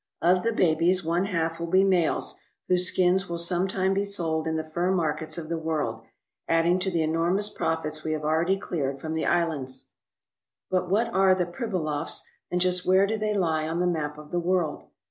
Of the babies one half will be males, whose skins will some time be sold in the fur markets of the world, adding to the enormous profits we have already cleared from the islands. But what are the Pribilofs and just where do they lie on the map of the world?